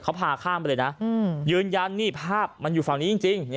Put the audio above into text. เขาพาข้ามไปเลยนะยืนยันนี่ภาพมันอยู่ฝั่งนี้จริง